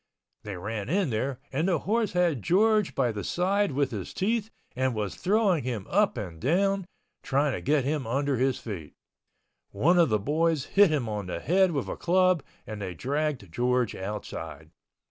They ran in there and the horse had George by the side with his teeth and was throwing him up and down, trying to get him under his feet. One of the boys hit him on the head with a club and they dragged George outside.